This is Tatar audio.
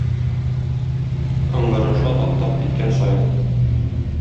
Ыңгыраша таптап киткән саен